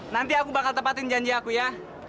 nanti aku bakal tepatin janji aku ya